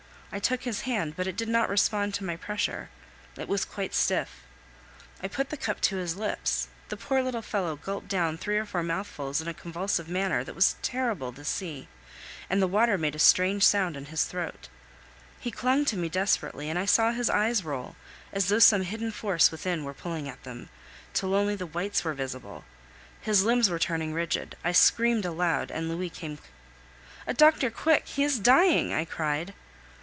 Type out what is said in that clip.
I took his hand, but it did not respond to my pressure; it was quite stiff. I put the cup to his lips; the poor little fellow gulped down three or four mouthfuls in a convulsive manner that was terrible to see, and the water made a strange sound in his throat. He clung to me desperately, and I saw his eyes roll, as though some hidden force within were pulling at them, till only the whites were visible; his limbs were turning rigid. I screamed aloud, and Louis came. "A doctor! quick!... he is dying," I cried.